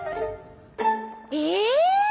え！